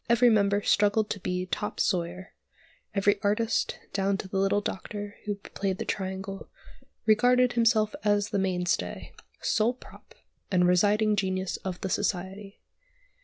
Every member struggled to be "top sawyer;" every artist, down to the little doctor who played the triangle regarded himself as the mainstay, sole prop, and presiding genius of the society.